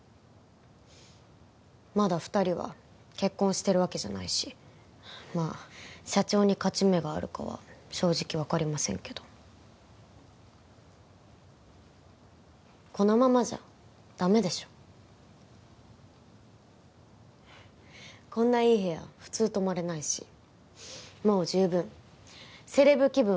まだ二人は結婚してるわけじゃないしまあ社長に勝ち目があるかは正直分かりませんけどこのままじゃダメでしょこんないい部屋普通泊まれないしもう十分セレブ気分